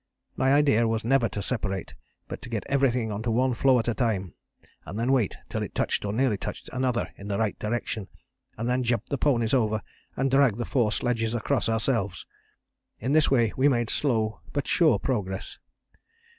My idea was never to separate, but to get everything on to one floe at a time; and then wait till it touched or nearly touched another in the right direction, and then jump the ponies over and drag the four sledges across ourselves. In this way we made slow, but sure progress.